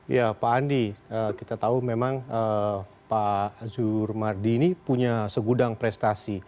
ya pak andi kita tahu memang pak zumardi ini punya segudang prestasi